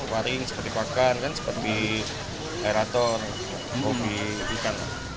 waring seperti pakan seperti aerator hobi ikan